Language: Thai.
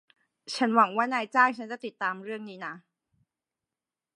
ฉันหวงัว่านายจ้างฉันจะติดตามเรื่องนี้นะ